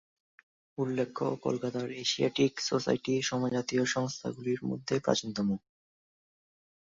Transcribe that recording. উল্লেখ্য, কলকাতার Asiatic society সমজাতীয় সংস্থাগুলির মধ্যে প্রাচীনতম।